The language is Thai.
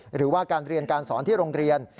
หรือว่าการเรียนการสอนที่โรงเรียน